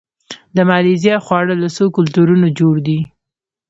د مالیزیا خواړه له څو کلتورونو جوړ دي.